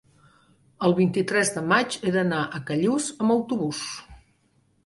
el vint-i-tres de maig he d'anar a Callús amb autobús.